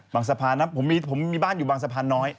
สะพานนะผมมีบ้านอยู่บางสะพานน้อย